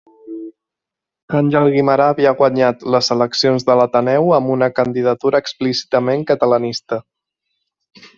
Àngel Guimerà havia guanyat les eleccions de l'Ateneu amb una candidatura explícitament catalanista.